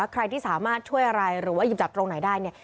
ใครที่สามารถช่วยอะไรหรือว่าหยิบจับตรงไหนได้เนี่ย